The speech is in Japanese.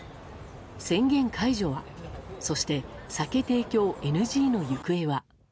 宣言解除はそして、酒提供ＮＧの行方は。